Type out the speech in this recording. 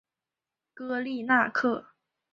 戈利纳克。